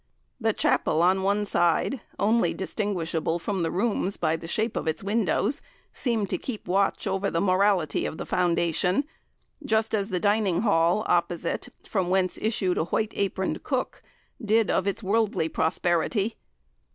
The chapel on one side, only distinguishable from the "rooms" by the shape of its windows, seemed to keep watch over the morality of the foundation, just as the dining hall opposite, from whence issued a white aproned cook, did of its worldly prosperity.